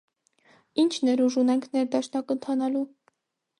- Ի՞նչ ներուժ ունենք ներդաշնակ ընթանալու: